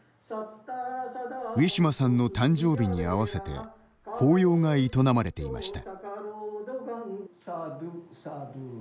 ウイシュマさんの誕生日に合わせて法要が営まれていました。